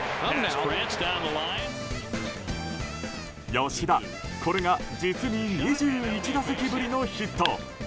吉田、これが実に２１打席ぶりのヒット。